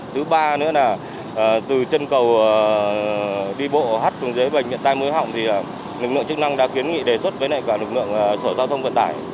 thứ ba nữa là từ chân cầu đi bộ hắt xuống dưới bệnh viện tây mới họng lực lượng chức năng đã kiến nghị đề xuất với lực lượng sở giao thông vận tải